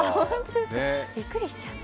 びっくりしちゃった。